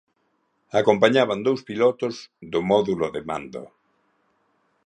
Acompañaban dous pilotos do módulo de mando.